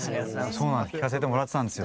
聴かせてもらってたんですよ。